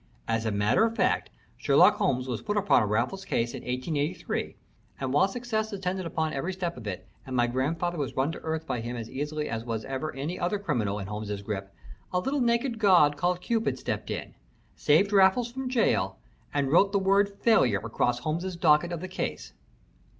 As a matter of fact, Sherlock Holmes was put upon a Raffles case in 1883, and while success attended upon every step of it, and my grandfather was run to earth by him as easily as was ever any other criminal in Holmes's grip, a little naked god called Cupid stepped in, saved Raffles from jail, and wrote the word failure across Holmes's docket of the case.